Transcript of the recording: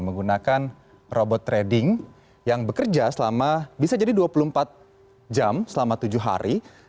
menggunakan robot trading yang bekerja selama bisa jadi dua puluh empat jam selama tujuh hari